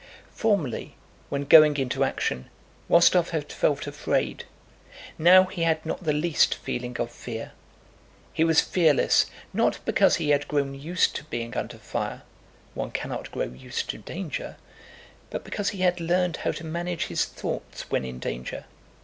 Formerly, when going into action, Rostóv had felt afraid; now he had not the least feeling of fear. He was fearless, not because he had grown used to being under fire (one cannot grow used to danger), but because he had learned how to manage his thoughts when in danger.